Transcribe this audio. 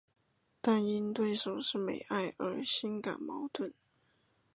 但因对手是美爱而心感矛盾。